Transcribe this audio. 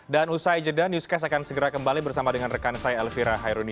dan usai jeda newscast akan segera kembali bersama dengan rekan saya elvira hairuni